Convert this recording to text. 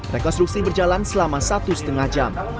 rekonstruksi berjalan selama satu lima jam